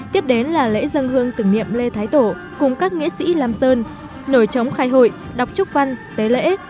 tiếp đến là lễ dân hương tưởng niệm lê thái tổ cùng các nghệ sĩ lam sơn nổi trống khai hội đọc chúc văn tế lễ